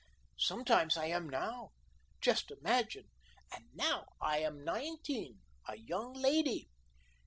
Sometimes I am now. Just imagine, and now I am nineteen a young lady."